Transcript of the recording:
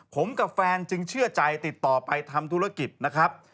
ผมกับแฟนจึงเชื่อใจติดต่อไปทำธุรกิจนะครับ